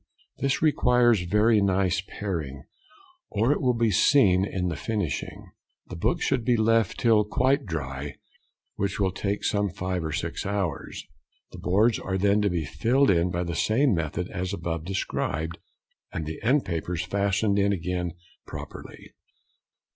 This requires very nice paring, or it will be seen in the finishing. The book should be left till quite dry, which will take some five or six hours. The boards are then to be filled in by the same method as above described, and the end papers fastened in again properly.